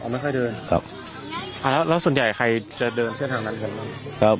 ไม่ค่อยเดินครับอ่าแล้วแล้วส่วนใหญ่ใครจะเดินเส้นทางนั้นกันบ้างครับ